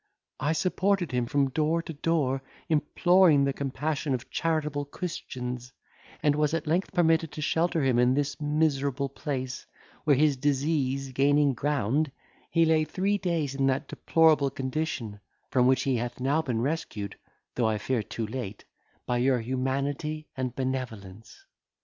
I supported him from door to door, imploring the compassion of charitable Christians, and was at length permitted to shelter him in this miserable place, where his disease gaining ground, he lay three days in that deplorable condition, from which he hath now been rescued, though I fear too late, by your humanity and benevolence."